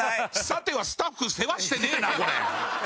さてはスタッフ世話してねえなこれ。